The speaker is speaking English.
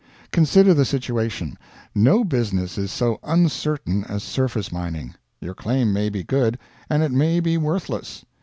Consider the situation. No business is so uncertain as surface mining. Your claim may be good, and it may be worthless.